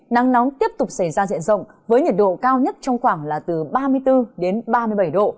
nắng nóng tiếp tục xảy ra diện rộng với nhiệt độ cao nhất trong khoảng là từ ba mươi bốn đến ba mươi bảy độ